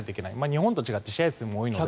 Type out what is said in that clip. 日本と違って試合数も多いので。